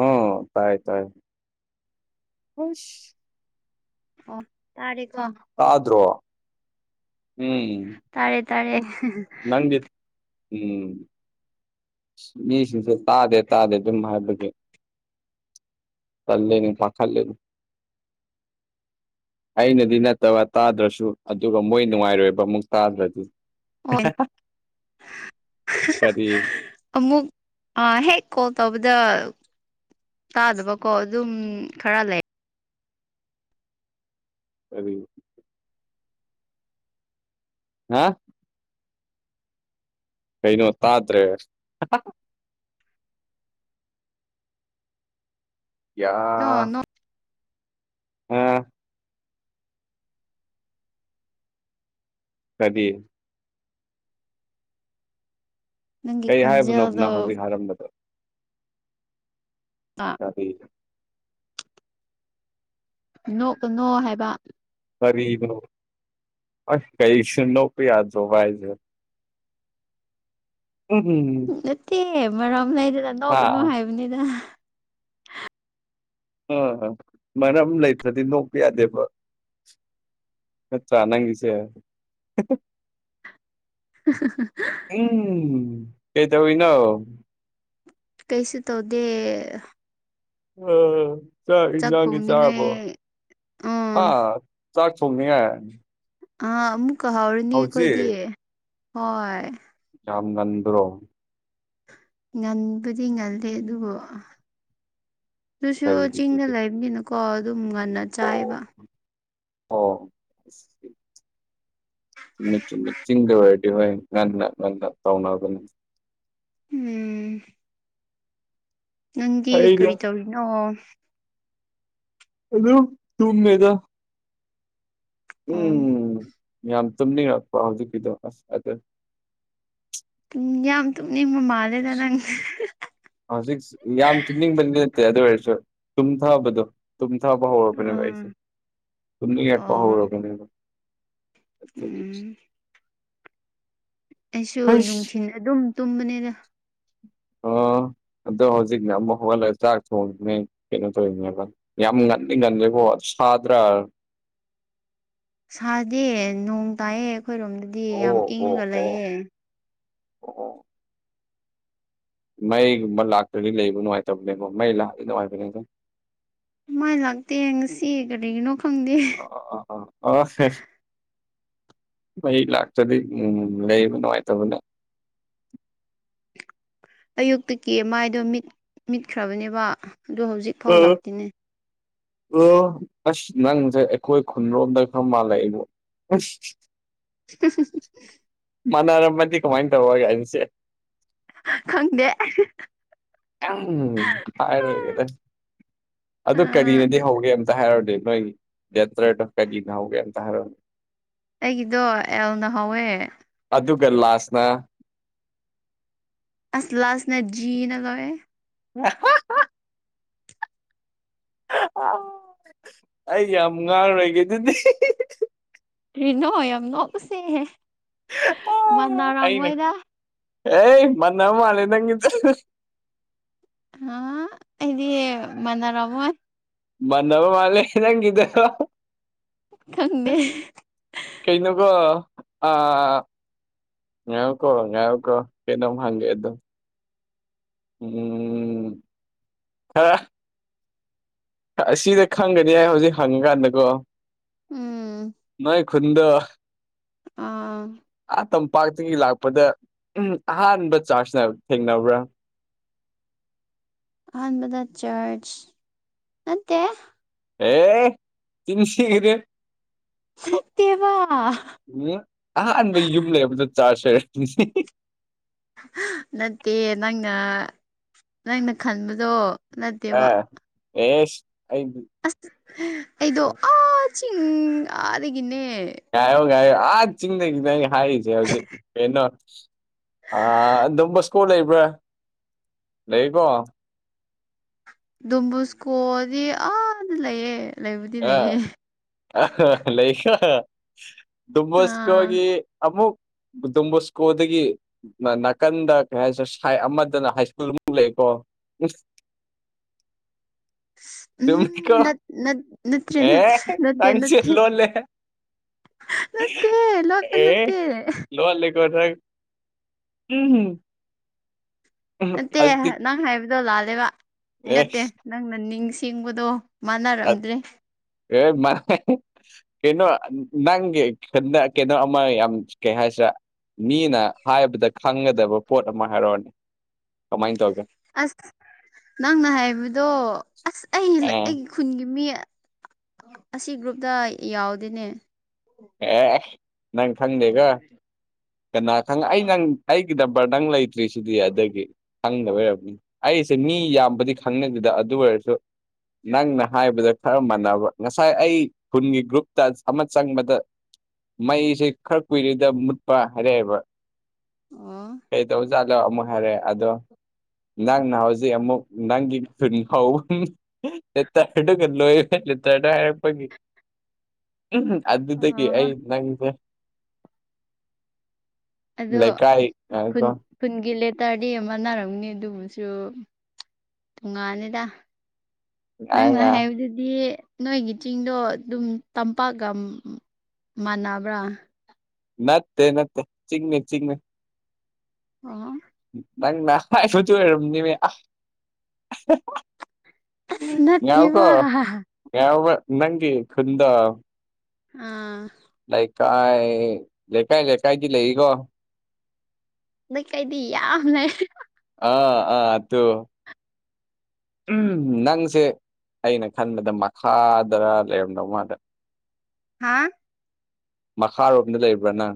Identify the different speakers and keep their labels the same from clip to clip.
Speaker 1: ꯑꯣ ꯇꯥꯏ ꯇꯥꯏ
Speaker 2: ꯑꯣ ꯇꯥꯔ ꯀꯣ
Speaker 1: ꯑ꯭ꯔꯣ ꯎꯝ
Speaker 2: ꯇꯥꯔꯦ ꯇꯥꯔꯦ
Speaker 1: ꯅꯪꯒꯤ ꯎꯝ ꯃꯤꯁꯤꯡꯁꯦ ꯇꯥꯗꯦ ꯇꯥꯗꯦ ꯑꯗꯨꯝ ꯍꯥꯏꯕꯒꯤ ꯆꯜꯂꯦꯅꯦ ꯄꯈꯠꯔꯦꯅꯦ ꯑꯩꯅꯗꯤ ꯅꯠꯇꯕ ꯇꯥꯗ꯭ꯔꯁꯨ ꯑꯗꯨꯒ ꯃꯣꯏ ꯅꯨꯡꯉꯥꯏꯔꯣꯏꯕ ꯑꯃꯨꯛ ꯇꯥꯗ꯭ꯔꯗꯤ
Speaker 2: ꯑꯣ
Speaker 1: ꯀꯔꯤ
Speaker 2: ꯑꯃꯨꯛ ꯍꯦꯛ ꯀꯣꯜ ꯇꯧꯕꯗ ꯇꯥꯗꯕꯀꯣ ꯑꯗꯨꯝ ꯈꯔ ꯂꯩ
Speaker 1: ꯀꯔꯤ ꯍꯥꯥ ꯀꯩꯅꯣ ꯇꯥꯗ꯭ꯔꯦ ꯌꯥ
Speaker 2: ꯅꯣ ꯅꯣ
Speaker 1: ꯑꯥ ꯀꯗꯤ
Speaker 2: ꯅꯪꯒꯤ
Speaker 1: ꯀꯩ
Speaker 2: ꯈꯣꯟꯖꯦꯜꯗꯣ
Speaker 1: ꯍꯥꯏꯕꯅꯣꯕꯅ ꯍꯧꯖꯤꯛ ꯍꯥꯏꯔꯝꯕꯗꯣ ꯎꯝ
Speaker 2: ꯅꯣꯛ ꯅꯣ ꯍꯥꯏꯕ
Speaker 1: ꯀꯔꯤꯅꯣ ꯑꯁ ꯀꯩꯁꯨ ꯅꯣꯛꯄ ꯌꯥꯗ꯭ꯔꯧꯕꯕ ꯍꯥꯏꯁꯦ ꯎꯝ ꯎꯝ ꯎꯝ
Speaker 2: ꯅꯠꯇꯦ ꯃꯔꯝ ꯂꯩꯗꯅ ꯅꯧ
Speaker 1: ꯍꯥ
Speaker 2: ꯀꯅꯨ ꯍꯥꯏꯕꯅꯤꯅ
Speaker 1: ꯑꯥ ꯃꯔꯝ ꯂꯩꯇ꯭ꯔꯗꯤ ꯅꯣꯛꯄ ꯌꯥꯗꯦꯕ ꯑꯩꯈꯣꯏ ꯅꯠꯇꯔ ꯅꯪꯒꯤꯁꯦ
Speaker 2: [unintelligible]
Speaker 1: ꯎꯝ ꯀꯩꯗꯧꯔꯤꯅꯣ
Speaker 2: ꯀꯩꯁ ꯇꯧꯗꯦ
Speaker 1: ꯑꯥ ꯆꯥꯛ ꯏꯟꯖꯥꯡꯗꯤ ꯆꯥꯔꯕꯣ
Speaker 2: ꯎꯝ
Speaker 1: ꯑꯥ ꯆꯥꯛ ꯊꯣꯡꯉꯦ
Speaker 2: ꯑꯥ ꯑꯃꯨꯛꯀ ꯍꯧꯔꯅꯤ ꯑꯩꯈꯣꯏꯗꯤ ꯍꯣꯏ
Speaker 1: ꯌꯥꯝꯝ ꯉꯟꯗ꯭ꯔꯣ
Speaker 2: ꯉꯟꯕꯨꯗꯤ ꯉꯜꯂꯦ ꯑꯗꯨꯕꯨ ꯑꯗꯨꯁꯨ ꯆꯤꯡꯗ
Speaker 1: ꯀꯩꯒꯤꯗꯨꯗꯤ
Speaker 2: ꯂꯩꯕꯅꯤꯅ ꯀꯣ ꯑꯗꯨꯝ ꯉꯟꯅ
Speaker 1: ꯑꯣ
Speaker 2: ꯆꯥꯏꯌꯦꯕ
Speaker 1: ꯑꯣ [inaudible] ꯆꯨꯝꯃꯦ ꯆꯨꯝꯃꯦ ꯆꯤꯟꯗ ꯑꯣꯏꯔꯗꯤ ꯍꯣꯏ ꯉꯟꯅ ꯉꯟꯅ ꯇꯧꯅꯕꯅꯤ
Speaker 2: ꯎꯝ ꯅꯪꯗꯤ
Speaker 1: ꯑꯩꯗ
Speaker 2: ꯀꯔꯤ ꯇꯧꯔꯤꯅꯣ
Speaker 1: ꯑꯗꯨꯝ ꯇꯨꯝꯃꯦꯗ
Speaker 2: ꯑꯣ
Speaker 1: ꯎꯝ ꯌꯥꯝ ꯇꯨꯝꯅꯤꯡꯉꯛꯄ ꯍꯧꯖꯤꯛꯀꯤꯗꯣ ꯑꯁ ꯑꯗꯨ
Speaker 2: ꯌꯥꯝ ꯇꯨꯞꯅꯤꯡꯕ ꯃꯥꯜꯂꯦꯗ ꯅꯪ
Speaker 1: ꯍꯧꯖꯤꯛ ꯌꯥꯝ ꯇꯨꯝꯅꯤꯡꯕꯗꯤ ꯅꯠꯇꯦ ꯑꯗꯨ ꯑꯣꯏꯔꯁꯨ ꯇꯨꯝꯊꯕꯗꯣ ꯇꯨꯝꯊꯕ ꯍꯧꯔꯕꯅꯦꯕ
Speaker 2: ꯑꯥ
Speaker 1: ꯑꯩꯁꯦ ꯇꯨꯝꯅꯤꯡ ꯉꯛꯄ
Speaker 2: ꯑꯣ
Speaker 1: ꯍꯧꯔꯕꯅꯦꯕ ꯑꯗꯨꯒꯤ
Speaker 2: ꯎꯝ ꯑꯩꯁꯨ
Speaker 1: ꯑꯩꯁ
Speaker 2: ꯅꯨꯡꯊꯤꯜ ꯑꯗꯨꯝ ꯇꯨꯝꯕꯅꯦꯗ
Speaker 1: ꯑꯣ ꯑꯗꯣ ꯍꯧꯖꯤꯛꯅ ꯑꯃꯨꯛ ꯍꯧꯒꯠꯂꯒ ꯆꯥꯛ ꯊꯣꯡꯅꯦ ꯀꯩꯅꯣ ꯇꯧꯔꯤꯅꯦꯕ ꯌꯥꯝ ꯉꯟꯗꯤ ꯉꯟꯂꯦꯀꯣ ꯁꯥꯗ꯭ꯔꯥ
Speaker 2: ꯁꯥꯗꯦ ꯅꯣꯡ ꯇꯥꯏꯌꯦ ꯑꯩꯈꯣꯏꯔꯣꯝꯗꯗꯤ
Speaker 1: ꯑꯣ
Speaker 2: ꯌꯥꯝ
Speaker 1: ꯑꯣ
Speaker 2: ꯏꯪꯉꯒ
Speaker 1: ꯑꯣ
Speaker 2: ꯂꯩꯌꯦ
Speaker 1: ꯑꯣ ꯃꯩꯒꯨꯝꯕ ꯂꯥꯛꯇ꯭ꯔꯗꯤ ꯂꯩꯕ ꯅꯨꯡꯉꯥꯏꯇꯕꯅꯦꯀꯣ ꯃꯩ ꯂꯥꯛꯑꯗꯤ ꯅꯨꯡꯉꯥꯏꯕꯅꯦ ꯗꯣ
Speaker 2: ꯃꯥꯏ ꯂꯥꯛꯇꯦ ꯌꯦꯡꯁꯤ ꯀꯔꯤꯅꯣ ꯈꯪ
Speaker 1: ꯑꯣ ꯑꯣ ꯥꯑꯥ ꯃꯩ ꯂꯥꯛꯇ꯭ꯔꯗꯤ ꯎꯝ ꯂꯩꯕ ꯅꯨꯡꯉꯥꯏꯇꯕꯅꯦ
Speaker 2: ꯑꯌꯨꯛꯇꯒꯤ ꯃꯥꯏꯗꯣꯠ ꯃꯤꯠꯈ꯭ꯔꯕꯅꯦꯕ ꯑꯗꯨ ꯍꯧꯖꯤꯛ ꯐꯥꯎ
Speaker 1: ꯎꯝ
Speaker 2: ꯂꯥꯛꯇꯦꯅꯦ
Speaker 1: ꯑꯣ ꯑꯁ ꯅꯪꯁꯦ ꯑꯩꯈꯣꯏ ꯈꯨꯟꯔꯣꯝꯗ ꯈꯔ ꯃꯥꯜꯂꯏꯕꯣ ꯑꯁ
Speaker 2: [unintelligible]
Speaker 1: ꯃꯅꯥꯔꯝꯕ ꯀꯃꯥꯏ ꯇꯧꯋꯥꯕ ꯑꯩ ꯍꯥꯏꯕꯁ
Speaker 2: ꯈꯪꯗꯦ
Speaker 1: ꯎ ꯍꯥꯏꯔꯣꯏꯒꯦꯗ ꯑꯗꯨ ꯀꯔꯤꯅꯗꯤ ꯍꯧꯒꯦ ꯑꯝꯇ ꯍꯥꯏꯔꯗꯤ ꯅꯣꯏꯒꯤ ꯗꯇꯔꯦ ꯀꯔꯤꯅ ꯍꯧꯒꯦ ꯑꯃꯇ ꯍꯥꯏꯔꯛꯎꯅ
Speaker 2: ꯑꯩꯒꯤꯗꯣ ꯑꯦꯜꯅ ꯍꯧꯋꯦ
Speaker 1: ꯑꯗꯨꯒ ꯂꯥꯁꯅ
Speaker 2: ꯑꯁ ꯂꯥꯁꯅ ꯖꯤꯅ ꯂꯣꯏꯌꯦ
Speaker 1: [unintelligible] ꯑꯥ ꯑꯩ ꯌꯥꯝ ꯉꯥꯡꯔꯣꯏꯒꯦ ꯑꯗꯨꯗꯤ
Speaker 2: ꯀꯔꯤꯅꯣ ꯌꯥꯝ ꯅꯣꯛꯄꯁꯦ
Speaker 1: ꯑꯩꯅ
Speaker 2: ꯃꯅꯔꯝꯃꯣꯏꯗ
Speaker 1: ꯑꯦ ꯃꯅꯥ ꯃꯥꯂꯦ ꯅꯪꯒꯤꯖꯦ
Speaker 2: ꯍꯥ ꯑꯩꯗꯤ ꯃꯅꯔꯝꯃꯣꯏ
Speaker 1: ꯃꯥꯟꯅꯕ ꯃꯥꯜꯂꯦ ꯅꯪꯒꯤꯗꯣ
Speaker 2: ꯈꯪꯗꯦ
Speaker 1: ꯀꯩꯅꯣꯀꯣ ꯑꯥ ꯉꯥꯏꯌꯣꯀꯣ ꯉꯥꯢꯌꯣꯀꯣ ꯀꯩꯅꯣꯝ ꯍꯪꯒꯦꯑꯗꯨ ꯎꯝ ꯍꯥ ꯑꯁꯤꯗ ꯈꯪꯒꯅꯤ ꯍꯥꯏ ꯍꯧꯖꯤꯛ ꯍꯪꯉꯀꯥꯟꯗꯀꯣ
Speaker 2: ꯎꯝ
Speaker 1: ꯅꯣꯏ ꯈꯨꯟꯗꯣ
Speaker 2: ꯑꯥ
Speaker 1: ꯑ ꯇꯝꯄꯥꯛꯇꯒꯤ ꯂꯥꯛꯄꯗ ꯎꯝ ꯑꯍꯥꯟꯕ ꯆꯥꯔꯖꯅ ꯊꯦꯡꯅꯕ꯭ꯔꯥ ꯫
Speaker 2: ꯑꯍꯥꯟꯕꯥꯟꯕꯗ ꯆꯔꯆ ꯅꯠꯇꯦ
Speaker 1: ꯑꯦ ꯆꯤꯟꯁꯤ ꯊꯤꯒꯅꯨ ꯫
Speaker 2: ꯑꯔꯥ
Speaker 1: ꯎ ꯑꯍꯥꯟꯕ ꯌꯨꯝ ꯂꯩꯕꯗ ꯆꯥꯔꯁꯦ
Speaker 2: ꯅꯠꯇꯦ ꯅꯪꯅ ꯅꯪꯅ ꯈꯟꯕꯗꯣ ꯅꯠꯇꯦꯕ
Speaker 1: ꯑ ꯌꯦꯁ ꯑꯩꯗꯤ
Speaker 2: ꯑꯁ ꯑꯩꯗꯣ ꯑꯥ ꯆꯤꯡ ꯑꯥꯗꯒꯤꯅꯦ
Speaker 1: ꯉꯥꯏꯌꯣ ꯥꯉꯥꯏꯌꯣ ꯑꯥ ꯆꯤꯡꯗꯒꯤ ꯅꯪ ꯍꯥꯏꯔꯤꯁꯦ ꯍꯧꯖꯤꯛ ꯀꯩꯅꯣ ꯑꯥ ꯗꯝꯕꯀꯣ ꯂꯩꯕ꯭ꯔꯥ ꯂꯩꯀꯣ
Speaker 2: ꯗꯨꯣꯝꯕꯨꯁꯀꯣꯗꯤ ꯑꯥ ꯂꯩꯌꯦ ꯂꯩꯕꯗꯤ
Speaker 1: ꯑꯥ
Speaker 2: ꯂꯩꯌꯦ
Speaker 1: ꯂꯩꯀꯣ
Speaker 2: ꯑꯥ
Speaker 1: ꯗꯨꯝꯕꯁꯒꯤ ꯑꯃꯨꯛ ꯗꯣꯝꯕꯣꯁꯀꯣꯗꯥꯒꯤ ꯅꯥꯀꯟꯗ ꯀꯩ ꯍꯥꯏꯁꯦ ꯁꯤꯠ ꯑꯃꯗꯅ ꯍꯥꯏ ꯁ꯭ꯀꯨꯜꯃꯨꯛ ꯂꯩꯀꯣ
Speaker 2: ꯎꯝ
Speaker 1: ꯆꯨꯃꯤꯀꯣ
Speaker 2: ꯅꯠ ꯅꯠ ꯅꯠꯇ꯭ꯔꯦ ꯅꯠ
Speaker 1: ꯑꯦ
Speaker 2: ꯅꯠꯇꯦ
Speaker 1: ꯅꯪꯁꯤ
Speaker 2: ꯅꯠꯇꯦ
Speaker 1: ꯂꯣꯠꯂ
Speaker 2: ꯅꯠꯇꯦ ꯂꯣꯠꯄ
Speaker 1: ꯑꯦ
Speaker 2: ꯅꯠꯇꯦ
Speaker 1: ꯂꯣꯠꯂꯤꯀꯣ ꯅꯪ ꯎꯝ ꯎꯝ
Speaker 2: ꯅꯠꯇꯦ
Speaker 1: ꯑꯗꯨꯗꯤ
Speaker 2: ꯅꯪ ꯍꯥꯏꯕꯗꯣ ꯂꯥꯜꯂꯦꯕ ꯅꯠꯇꯦ
Speaker 1: ꯑꯦꯁ
Speaker 2: ꯅꯪꯅ ꯅꯤꯡꯁꯤꯡꯕꯗꯣ ꯃꯥꯟꯅꯔꯝꯗ꯭ꯔꯦ
Speaker 1: ꯑꯦ ꯃꯥꯅꯦ ꯀꯩꯅꯣ ꯅꯪꯒꯤ ꯀꯩꯅꯣ ꯑꯃ ꯌꯥꯝ ꯀꯩ ꯍꯥꯏꯁꯤꯔ ꯃꯤꯅ ꯍꯥꯏꯕꯗ ꯈꯪꯒꯗꯕ ꯄꯣꯠ ꯑꯃ ꯍꯥꯏꯔꯛꯑꯣꯅꯤ ꯀꯃꯥꯏꯅ ꯇꯧꯒꯦ
Speaker 2: ꯑꯁ ꯅꯪꯅ ꯍꯥꯏꯕꯗꯣ ꯑꯁ ꯑꯩ
Speaker 1: ꯑꯦ
Speaker 2: ꯑꯩ ꯈꯨꯟꯒꯤ ꯃꯤ ꯑꯁꯤ ꯒ꯭ꯔꯨꯞꯇ ꯌꯥꯎꯗꯦꯅꯦ
Speaker 1: ꯑꯦ ꯅꯪ ꯈꯪꯗꯦꯀꯣ ꯀꯅꯥ ꯈꯪ ꯑꯩ ꯅꯪ ꯑꯩꯒꯤ ꯅꯨꯝꯕꯦꯔ ꯅꯪ ꯂꯩꯇꯦ ꯁꯤꯗꯤ ꯈꯪꯗꯕꯩ ꯑꯣꯏꯔꯝꯅꯤ ꯑꯩꯁꯦ ꯃꯤ ꯌꯥꯝꯕꯗꯤ ꯈꯪꯅꯗꯦꯗ ꯑꯗꯨ ꯑꯣꯏꯔꯁꯨ ꯅꯪꯅ ꯍꯥꯏꯕꯗ ꯈꯔ ꯃꯥꯟꯅꯕ ꯉꯁꯥꯏ ꯑꯩ ꯈꯨꯟꯒꯤ ꯒ꯭ꯔꯨꯞꯇ ꯑꯃ ꯆꯪꯕꯗ ꯃꯩꯁꯦ ꯈꯔ ꯀꯨꯏꯔꯦꯗ ꯃꯨꯠꯄ ꯍꯥꯏꯔꯛꯑꯦꯕ
Speaker 2: ꯑꯣ
Speaker 1: ꯀꯩ ꯇꯧꯖꯥꯠꯂꯣ ꯑꯃꯨꯛ ꯍꯥꯏꯔꯦ ꯑꯗꯣ ꯅꯪꯅ ꯍꯧꯖꯤꯛ ꯑꯃꯨꯛ ꯅꯪꯒꯤ [unintelligible] ꯂꯦꯇꯔ ꯗꯒ ꯂꯣꯏꯔꯦ ꯂꯦꯇꯔ ꯗ ꯍꯥꯢꯔꯛꯄꯒꯤ ꯎꯝ ꯇꯤ
Speaker 2: ꯑꯣ
Speaker 1: ꯑꯩ ꯅꯪꯖꯦ
Speaker 2: ꯑꯗꯣ
Speaker 1: ꯂꯩꯀꯥꯏ
Speaker 2: ꯈꯨꯟ
Speaker 1: ꯉꯥꯏꯈꯣ
Speaker 2: ꯈꯨꯟꯒꯤ ꯂꯦꯇꯔꯗꯤ ꯑꯃꯅꯔꯝꯅꯤ ꯑꯗꯨꯕꯨꯁꯨ ꯇꯣꯡꯉꯥꯅꯤꯗ
Speaker 1: ꯉꯥꯏ
Speaker 2: ꯅꯪꯅ
Speaker 1: ꯉꯥꯏ
Speaker 2: ꯍꯥꯏꯕꯗꯨꯗꯤ ꯅꯣꯏꯒꯤ ꯆꯤꯡꯗꯣ ꯑꯗꯨꯝ ꯇꯝꯄꯥꯛꯀ ꯃꯥꯟꯅꯕ꯭ꯔꯥ
Speaker 1: ꯅꯠꯇꯦ ꯅꯠꯇꯦ ꯆꯤꯡꯅꯦ ꯆꯤꯡꯅꯦ
Speaker 2: ꯑꯣ
Speaker 1: ꯅꯪꯅ ꯍꯥꯏꯁꯨꯁꯨ ꯑꯣꯏꯔꯝꯅꯤꯃꯦ
Speaker 2: ꯑꯁ
Speaker 1: ꯌꯥꯎꯀꯣ
Speaker 2: ꯅꯠꯇꯦꯕ
Speaker 1: ꯌꯥ ꯅꯪꯒꯤ ꯈꯨꯟꯗꯣ
Speaker 2: ꯑꯥ
Speaker 1: ꯂꯩꯀꯥꯏ ꯂꯩꯀꯥꯏ ꯂꯩꯀꯥꯏꯗꯤ ꯂꯩꯔꯤ ꯒꯣ
Speaker 2: ꯂꯩꯀꯥꯏꯗꯤ ꯌꯥꯝ ꯂꯩ
Speaker 1: ꯑꯥ ꯑꯥ ꯑꯗꯨ ꯎꯝ ꯅꯪꯁꯦ ꯑꯩꯅ ꯈꯟꯕꯗ ꯃꯈꯥꯗꯔ ꯂꯩꯔꯝꯗꯧ ꯃꯥꯜꯂꯦ
Speaker 2: ꯍꯥꯥ
Speaker 1: ꯃꯈꯥꯔꯣꯝꯗ ꯂꯩꯕ꯭ꯔꯥꯅ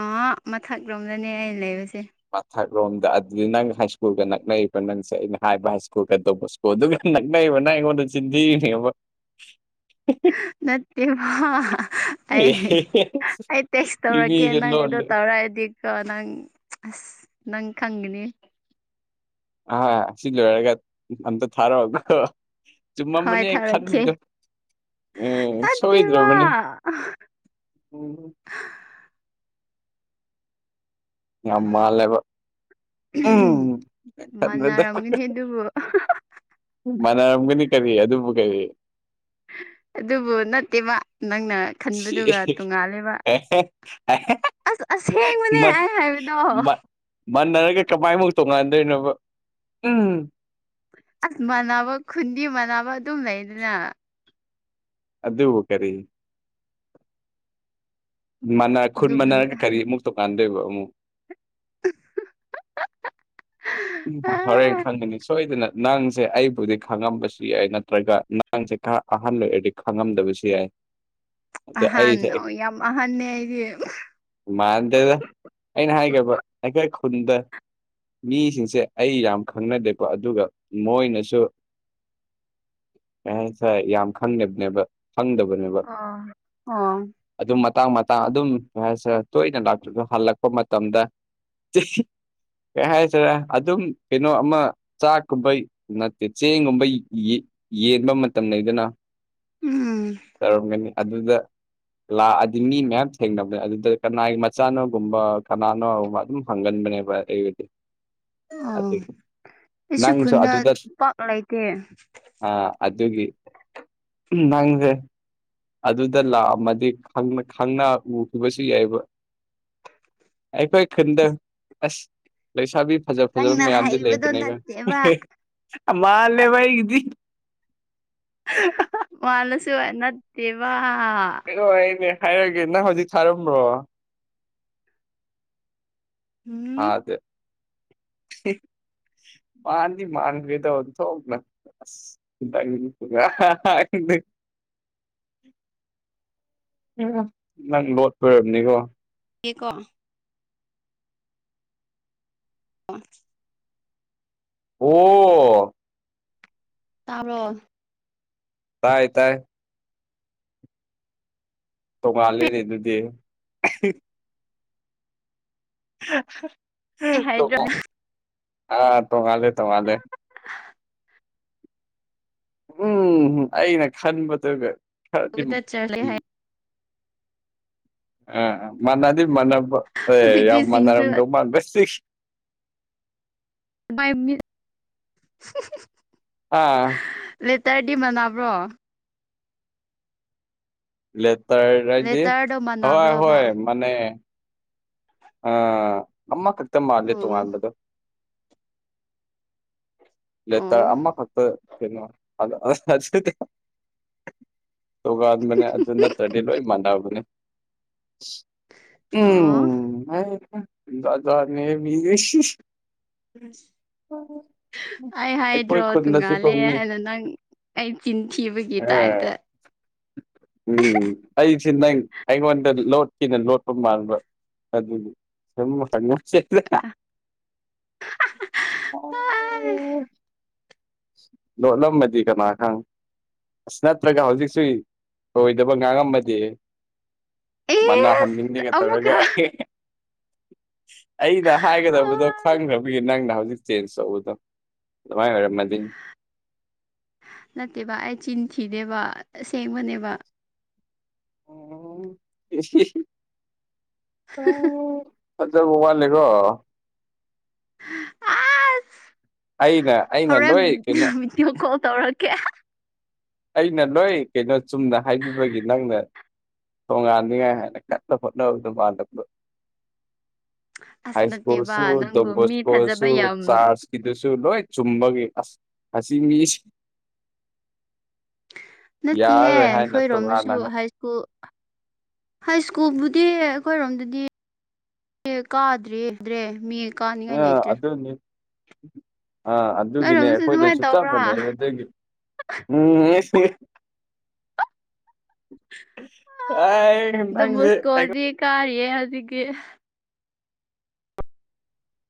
Speaker 2: ꯑꯥ ꯃꯊꯛꯂꯣꯝꯗꯅꯦ ꯑꯩꯅ ꯂꯩꯕꯁꯦ
Speaker 1: ꯃꯊꯛꯂꯣꯝꯗ ꯑꯗꯨꯗꯤ ꯅꯪ ꯍꯥꯏ ꯁ꯭ꯀꯨꯜꯒ ꯅꯛꯅꯩꯕ ꯅꯪꯁꯦ ꯑꯩꯅ ꯍꯥꯏꯕ ꯍꯥꯏ ꯁ꯭ꯀꯨꯜꯒꯗꯧꯕ ꯑꯣ ꯑꯗꯨꯒ ꯅꯛꯅꯩꯕ ꯅꯪ ꯑꯩꯉꯣꯟꯗ ꯆꯤꯟꯊꯤꯔꯤꯅꯦꯕ
Speaker 2: ꯅꯠꯇꯦꯕ ꯑꯩ ꯑꯩ ꯇꯦꯛꯁ
Speaker 1: ꯁꯤ
Speaker 2: ꯇꯧꯔꯛꯀꯦ
Speaker 1: ꯃꯤꯁꯦ
Speaker 2: ꯅꯪ ꯑꯗꯣ
Speaker 1: ꯂꯣꯜꯂꯦ
Speaker 2: ꯇꯧꯔꯛꯑꯗꯤ ꯀꯣ ꯅꯪ ꯑꯁ ꯅꯪ ꯈꯪꯒꯅꯤ
Speaker 1: ꯍꯣꯏ ꯁꯤ ꯂꯣꯏꯔꯥꯒ ꯑꯝꯇ ꯊꯥꯔꯛ ꯑꯣ
Speaker 2: ꯍꯣꯏ
Speaker 1: ꯆꯨꯝꯃꯝꯃꯅꯤ ꯑꯩ
Speaker 2: ꯊꯥꯔꯛꯀꯦ
Speaker 1: ꯈꯟꯕꯗꯨ ꯎꯝ
Speaker 2: ꯅꯠꯇꯦꯕ
Speaker 1: ꯁꯣꯏꯗ꯭ꯔꯕꯅꯤ ꯎꯝ ꯌꯥꯝ ꯃꯥꯜꯂꯦꯕ ꯎꯝ ꯇꯟꯕꯗꯥ
Speaker 2: ꯃꯥꯟꯅꯔꯝꯒꯅꯤ ꯑꯗꯨꯕꯨ
Speaker 1: ꯃꯥꯟꯅꯔꯝꯒꯅꯤ ꯀꯔꯤ ꯑꯗꯨꯕꯨ ꯀꯔꯤ
Speaker 2: ꯑꯗꯨꯕꯨ ꯅꯠꯇꯦꯕ ꯅꯪꯅ
Speaker 1: ꯁꯤ
Speaker 2: ꯈꯟꯕꯗꯨꯒ ꯇꯣꯡꯉꯥꯜꯂꯦꯕ
Speaker 1: [unintelligible]
Speaker 2: ꯑꯁ ꯑꯁꯦꯡꯕꯅꯦ
Speaker 1: ꯃꯟ
Speaker 2: ꯑꯩ ꯍꯥꯏꯕꯗꯣ
Speaker 1: ꯃꯟ ꯃꯥꯟꯅꯔꯒ ꯀꯃꯥꯏꯃꯨꯛ ꯇꯣꯡꯉꯥꯟꯗꯣꯏꯅꯣꯕ ꯎꯝ
Speaker 2: ꯑꯁ ꯃꯥꯟꯅꯕ ꯈꯨꯟꯗꯤ ꯃꯥꯟꯅꯕ ꯑꯗꯨꯝ ꯂꯩꯗꯅ
Speaker 1: ꯑꯗꯨꯕꯨ ꯀꯔꯤ ꯃꯥꯟꯅ ꯈꯨꯟ
Speaker 2: ꯑꯗꯨꯕꯨ
Speaker 1: ꯃꯥꯟꯅꯔꯒ ꯀꯔꯤ ꯑꯃꯨꯛ ꯇꯣꯉꯥꯟꯗꯣꯏꯕ ꯑꯃꯨꯛ ꯎꯝ ꯍꯔꯦꯟ ꯈꯪꯒꯅꯤ ꯁꯣꯏꯗꯅ ꯅꯪꯁꯦ ꯑꯩꯕꯨꯗꯤ ꯈꯪꯉꯝꯕꯁꯨ ꯌꯥꯏ ꯅꯠꯇ꯭ꯔꯒ ꯅꯪꯁꯦ ꯈꯔ ꯑꯍꯟ ꯑꯣꯏꯔꯗꯤ ꯈꯪꯉꯝꯗꯕꯁꯨ ꯌꯥꯏ [inaudible] ꯑꯗ
Speaker 2: ꯑꯍꯥꯟ
Speaker 1: ꯑꯩꯁꯦ
Speaker 2: ꯌꯥꯝ ꯑꯍꯟꯅꯦ ꯑꯩꯗꯤ
Speaker 1: ꯃꯥꯟꯗꯦꯗ ꯑꯩꯅ ꯍꯥꯏꯒꯕ ꯑꯩꯈꯣꯏ ꯈꯨꯟꯗ ꯃꯤꯁꯤꯡ ꯆꯦ ꯑꯩ ꯌꯥꯝ ꯈꯪꯅꯗꯦꯀꯣ ꯑꯗꯨꯒ ꯃꯣꯏꯅꯁꯨ ꯃꯦꯟꯁ ꯌꯥꯝ ꯈꯪꯕꯅꯦꯕ ꯈꯪꯗꯕꯅꯦꯕ
Speaker 2: ꯑ ꯑꯣ
Speaker 1: ꯑꯗꯨꯝ ꯃꯇꯥꯡ ꯃꯇꯥꯡ ꯑꯗꯨꯝ ꯇꯣꯏꯅ ꯂꯥꯛꯇ꯭ꯔꯁꯨ ꯍꯜꯂꯛꯄ ꯃꯇꯝꯗ [unintelligible] ꯀꯩ ꯍꯥꯏꯁꯤꯔ ꯑꯗꯨꯝ ꯀꯩꯅꯣ ꯑꯃ ꯆꯥꯛꯀꯨꯝꯕꯩ ꯅꯠꯇꯦ ꯆꯦꯡꯒꯨꯝꯕꯩ ꯌꯦ ꯌꯦꯟꯕ ꯃꯇꯝ ꯂꯩꯗꯨꯅ
Speaker 2: ꯎꯝ
Speaker 1: ꯇꯧꯔꯝꯒꯅꯤ ꯑꯗꯨꯗ ꯂꯥꯛꯑꯗꯤ ꯃꯤ ꯃꯌꯥꯝ ꯊꯦꯡꯅꯕꯅꯦ ꯑꯗꯨꯗ ꯀꯅꯥꯒꯤ ꯃꯆꯥꯅꯣꯒꯨꯝꯕ ꯀꯅꯥꯅꯣꯒꯨꯝꯕ ꯑꯗꯨꯝ ꯐꯪꯒꯟꯕꯅꯦꯕ ꯑꯩꯗꯤ
Speaker 2: ꯑꯣ ꯑꯩꯁꯨ
Speaker 1: ꯅꯪꯁꯨ
Speaker 2: ꯈꯨꯟꯗ
Speaker 1: ꯑꯗꯨꯗ
Speaker 2: ꯄꯥꯛ ꯂꯩꯇꯦ
Speaker 1: ꯑ ꯑꯗꯨꯒꯤ ꯅꯪꯁꯦ ꯑꯗꯨꯗ ꯂꯥꯛꯑꯝꯃꯗꯤ ꯈꯪꯅ ꯈꯪꯅ ꯎꯒꯤꯕꯁꯨ ꯌꯥꯏꯕ ꯑꯩꯈꯣꯏ ꯈꯟꯗ ꯑꯁ ꯂꯩꯁꯥꯕꯤ ꯐꯖ ꯐꯖꯕ
Speaker 2: ꯅꯪꯅ
Speaker 1: ꯃꯌꯥꯝꯗꯤ
Speaker 2: ꯍꯩꯕꯗꯣ
Speaker 1: ꯂꯩꯕꯅꯦꯒ
Speaker 2: ꯅꯠꯇꯦꯕ
Speaker 1: ꯃꯥꯜꯂꯦꯕ ꯑꯩꯒꯤꯗꯤ
Speaker 2: ꯃꯥꯜꯂꯁꯨ ꯅꯠꯇꯦꯕ
Speaker 1: ꯑꯣꯏꯔꯦꯅꯦ ꯍꯥꯏꯔꯦꯒꯦ ꯅꯪ ꯍꯧꯖꯤꯛ ꯊꯥꯔꯝꯕꯔꯣ
Speaker 2: ꯎꯝ
Speaker 1: ꯊꯥꯗꯦ ꯃꯥꯥꯟꯗꯤ ꯃꯥꯥꯟꯒꯔꯦꯗ ꯑꯣꯟꯊꯣꯛꯅ [unintelligible] ꯅꯪ ꯂꯣꯠꯄ ꯑꫭꯏꯔꯕꯅꯤꯀꯣ
Speaker 2: [unintelligible] [unintelligible]
Speaker 1: ꯑꯣ
Speaker 2: ꯇꯥꯕ꯭ꯔꯣ
Speaker 1: ꯇꯥꯏ ꯇꯥꯏ ꯇꯣꯉꯥꯟꯂꯦꯅꯦ ꯑꯗꯨꯗꯤ [unintelligible]
Speaker 2: ꯑꯩ ꯍꯥꯏꯗ꯭ꯔꯕꯗ
Speaker 1: ꯑꯥ ꯇꯉꯥꯜꯂꯦ ꯇꯣꯉꯥꯜꯂꯦ ꯎꯝ ꯑꯩꯅ ꯈꯟꯕꯗꯨꯒ ꯈꯔꯗꯤ
Speaker 2: ꯕꯗ ꯆꯂꯦ ꯍꯥꯏ
Speaker 1: ꯎꯝ, ꯑ ꯃꯥꯟꯅꯗꯤ ꯃꯥꯟꯅꯕ ꯑꯦ
Speaker 2: ꯍꯧꯖꯤꯛꯇꯤ
Speaker 1: ꯌꯥꯝ
Speaker 2: ꯁꯤꯡꯗꯨ
Speaker 1: ꯃꯥꯟꯅꯔꯝꯗꯧ ꯃꯥ
Speaker 2: [unintelligible]
Speaker 1: ꯑꯥ
Speaker 2: ꯂꯦꯇꯔꯗꯤ ꯃꯥꯟꯅꯕ꯭ꯔꯣ
Speaker 1: ꯂꯦꯇꯔ ꯔꯥꯏꯗꯤ
Speaker 2: ꯂꯦꯇꯔꯗꯣ
Speaker 1: ꯍꯣꯏ
Speaker 2: ꯃꯥꯟꯅꯕ꯭ꯔꯕ
Speaker 1: ꯍꯣꯏ ꯃꯤꯟꯅꯩ ꯑ ꯃꯃ ꯈꯛꯇ ꯃꯥꯜꯂꯦ
Speaker 2: ꯑꯣ
Speaker 1: ꯇꯣꯉꯥꯟꯕꯗꯣ
Speaker 2: ꯑꯣ
Speaker 1: ꯂꯦꯇꯥꯔ ꯑꯃ ꯐꯛꯇ ꯀꯩꯅꯣ [unintelligible] ꯇꯣꯉꯥꯟꯕꯅꯦ ꯑꯗꯨ ꯅꯠꯇ꯭ꯔꯗꯤ ꯂꯣꯏ ꯃꯥꯟꯅꯕꯅꯦ
Speaker 2: ꯑꯣ
Speaker 1: ꯎꯝ [unintelligible] ꯖꯥꯠ ꯖꯥꯠꯅꯦ ꯃꯤꯁꯤ
Speaker 2: ꯑꯩ
Speaker 1: ꯑꯩꯈꯣꯏ
Speaker 2: ꯍꯥꯏꯗ꯭ꯔꯣ
Speaker 1: ꯈꯨꯟꯗꯁꯨ
Speaker 2: ꯇꯣꯡꯉꯥꯜꯂꯦ
Speaker 1: ꯐꯣꯡꯅꯤ
Speaker 2: ꯍꯥꯏꯅ ꯅꯪ ꯑꯩ ꯆꯤꯟ ꯊꯤꯕꯒꯤ
Speaker 1: ꯑꯦ
Speaker 2: ꯇꯥꯏꯞꯇ
Speaker 1: ꯎꯝ ꯑꯩꯁꯤ ꯅꯪ ꯑꯩꯉꯣꯟꯗ ꯂꯣꯠꯀꯅ ꯂꯣꯠꯄ ꯃꯥꯟꯕ ꯑꯗꯨꯅꯤ
Speaker 2: [unintelligible]
Speaker 1: ꯂꯣꯠꯂꯝꯃꯗꯤ ꯀꯅꯥ ꯈꯪ ꯑꯁ ꯅꯠꯇ꯭ꯔꯒ ꯍꯧꯖꯤꯛꯁꯨ ꯑꯣꯏꯣꯏꯗꯕ ꯉꯥꯡꯉꯝꯃꯗꯤ ꯃꯅꯍꯟꯅꯤꯡꯉꯦꯒ ꯇꯧꯔꯒ
Speaker 2: ꯑꯃꯨꯛꯀ
Speaker 1: ꯑꯩ ꯑꯩꯅ ꯍꯥꯏꯒꯗꯕꯗꯣ ꯈꯪꯈ꯭ꯔꯕꯒꯤ ꯅꯪꯅ ꯍꯧꯖꯤꯛ ꯆꯦꯟꯖ ꯇꯧꯕꯗꯣ ꯑꯗꯨꯃꯥꯏꯅ ꯑꯣꯏꯔꯝꯃꯗꯤ
Speaker 2: ꯅꯠꯇꯦꯕ ꯑꯩ ꯆꯤꯟ ꯊꯤꯗꯦꯕ ꯑꯁꯦꯡꯕꯅꯦꯕ
Speaker 1: ꯑꯣ
Speaker 2: ꯍꯥ ꯍꯥ ꯍꯥ
Speaker 1: ꯐꯖꯕ ꯋꯥꯠꯂꯤꯀꯣ
Speaker 2: ꯑꯁ
Speaker 1: ꯑꯩꯅ ꯑꯩꯅ ꯂꯣꯏ ꯀꯩꯅꯣ
Speaker 2: ꯕꯤꯗꯤꯌꫭ ꯀꯣꯜ ꯇꯧꯔꯛꯀꯦ
Speaker 1: ꯑꯩꯅ ꯂꯣꯏ ꯀꯩꯅꯣ ꯆꯨꯝꯅ ꯍꯥꯏꯕꯤꯕꯒꯤ ꯅꯪꯅ ꯊꯣꯡꯉꯥꯟꯅꯤꯡꯉꯥꯏ ꯍꯥꯏꯅ ꯀꯟꯅ ꯍꯣꯠꯅꯕꯗ ꯃꯜꯗꯗꯣ
Speaker 2: ꯑꯁ
Speaker 1: ꯍꯥꯏꯁꯀꯨꯜ
Speaker 2: ꯅꯠꯇꯦꯕ
Speaker 1: ꯁꯨ
Speaker 2: ꯅꯪꯕꯨ
Speaker 1: ꯇꫭꯞꯄ
Speaker 2: ꯃꯤ
Speaker 1: ꯏꯁꯀꯨꯜ
Speaker 2: ꯊꯥꯖꯕ
Speaker 1: ꯁꯨ
Speaker 2: ꯌꯥꯝ
Speaker 1: ꯆꯥꯔꯁ ꯁꯤꯗꯨꯁꯨ ꯂꯣꯏ ꯆꯨꯝꯕꯒꯤ ꯑꯁ ꯑꯁꯤ ꯃꯤ
Speaker 2: ꯅꯠꯇꯦꯍꯦ
Speaker 1: ꯌꯥꯔꯔꯣꯏ ꯍꯥꯏꯅ
Speaker 2: ꯑꯩꯈꯣꯏꯔꯣꯝꯗꯁꯨ
Speaker 1: ꯇꯣꯉꯥꯟꯅ
Speaker 2: ꯍꯥꯏꯁ꯭ꯀꯨꯜ ꯍꯥꯏ ꯁ꯭ꯀꯨꯜꯕꯨꯗꯤ ꯑꯩꯈꯣꯏꯔꯣꯝꯗꯗꯤ ꯌꯦ ꯀꯥꯗ꯭ꯔꯦ ꯗ꯭ꯔꯦ ꯃꯌꯦꯛ
Speaker 1: [unintelligible] ꯑꯗꯨꯅꯤ ꯑꯥ ꯑꯗꯨꯒꯤꯅꯦ
Speaker 2: ꯅꯣꯏꯔꯣꯝꯗꯁꯨ ꯑꯗꯨꯃꯥꯏꯅ
Speaker 1: ꯑꯩꯈꯣꯏꯗꯁꯨ
Speaker 2: ꯇꯧꯕ꯭ꯔꯥ
Speaker 1: ꯆꯞꯄꯅꯦꯕ ꯑꯗꯒꯤ [unintelligible]
Speaker 2: ꯗꯣꯟ
Speaker 1: [unintelligible]
Speaker 2: ꯕꯣꯁꯀꯣꯗꯤ ꯀꯥꯔꯤꯌꯦ ꯍꯧꯖꯤꯛꯇꯤ